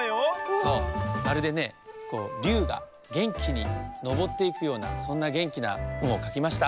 そうまるでねりゅうがげんきにのぼっていくようなそんなげんきな「ん」をかきました。